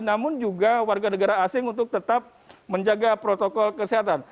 namun juga warga negara asing untuk tetap menjaga protokol kesehatan